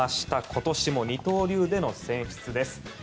今年も二刀流での選出です。